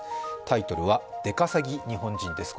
タイトルは、出稼ぎ日本人です。